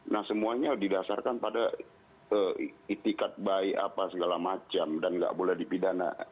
nah semuanya didasarkan pada itikat baik apa segala macam dan nggak boleh dipidana